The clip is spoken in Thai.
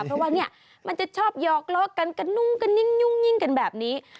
เพราะว่าเนี่ยมันจะชอบหยอกล้อกันกระนุ่งกระนิ่งกันแบบนี้